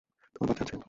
তোমার বাচ্চা আছে?